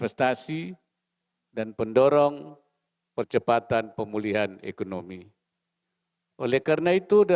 saya percaya dengan itu